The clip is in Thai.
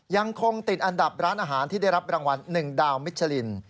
ยังคงติดอันดับร้านอาหารที่ได้รับรางวัล๑ดาวมิชลิน